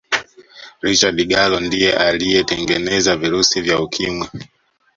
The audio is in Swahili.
richard gallo ndiye aliyetengeneza virusi vya ukimwi